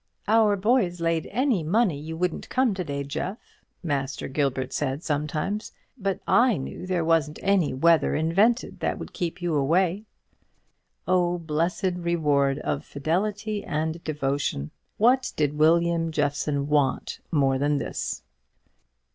"Our boys laid any money you wouldn't come to day, Jeff," Master Gilbert said sometimes; "but I knew there wasn't any weather invented that would keep you away." O blessed reward of fidelity and devotion! What did William Jeffson want more than this?